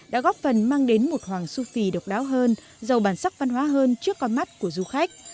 đã góp phần mang đến một hoàng su phi độc đáo hơn giàu bản sắc văn hóa hơn trước con mắt của du khách